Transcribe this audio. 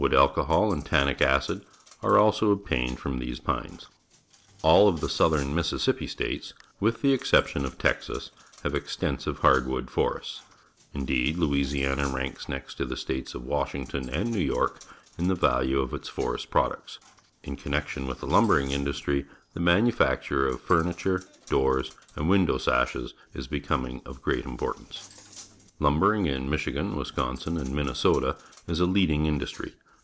Wood alcoEoTalTd tannic acid are also obtained from these pines. ^ AU the vSouthem Mississippi States, with the exception of Texas, have extensive hardwood forests. Indeed, Louisiana ranks next to the states of Washington and New York in the value of its forest products. In connection with the lumbering industry, the manufacture of furniture ^oors, and_windn\v sashes is becoming of great importance. Lumbering in INIichigan, Wisconsin, and Minnesota is a leading industry.